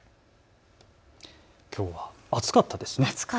きょうは暑かったですね。